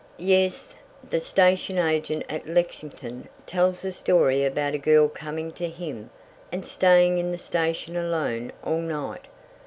"Yes. The station agent at Lexington tells a story about a girl coming to him and staying in the station alone all night.